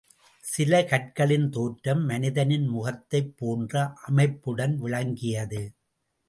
சில கற்களின் தோற்றம் மனிதனின் முகத்தைப்போன்ற அமைப்புடன் விளங்கியது.